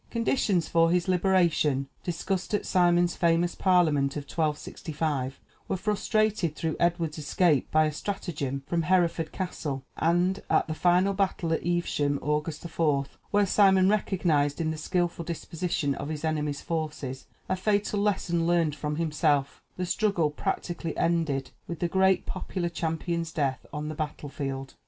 Conditions for his liberation, discussed at Simon's famous parliament of 1265, were frustrated through Edward's escape by a stratagem from Hereford Castle; and at the final battle at Evesham (August 4), where Simon recognized in the skilful disposition of his enemy's forces a fatal lesson learned from himself, the struggle practically ended with the great popular champion's death on the battle field.